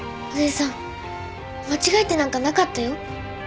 お姉さん間違えてなんかなかったよ。